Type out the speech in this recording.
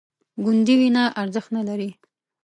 ګوندې وینه ارزښت نه لري